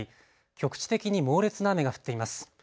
局地的に猛烈な雨が降っています。